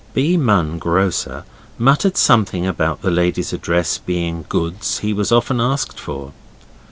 B. Munn, grocer, muttered something about the lady's address being goods he was often asked for.